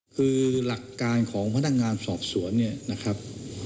คือหลักการของพนักงานสอบสวนเนี่ยนะครับ